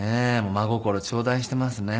真心頂戴していますね。